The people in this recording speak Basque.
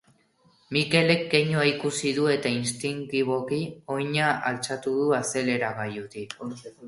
Mikelek keinua ikusi du eta instintiboki oina altxatu du azeleragailutik.